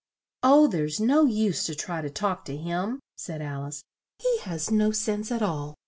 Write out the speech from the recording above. "Oh, there's no use to try to talk to him," said Al ice; "he has no sense at all."